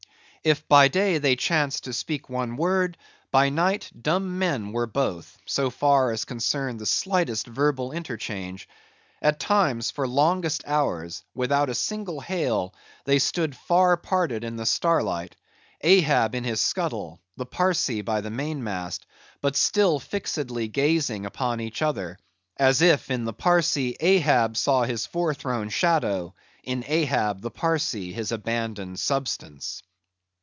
If by day they chanced to speak one word; by night, dumb men were both, so far as concerned the slightest verbal interchange. At times, for longest hours, without a single hail, they stood far parted in the starlight; Ahab in his scuttle, the Parsee by the mainmast; but still fixedly gazing upon each other; as if in the Parsee Ahab saw his forethrown shadow, in Ahab the Parsee his abandoned substance.